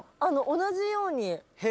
同じように。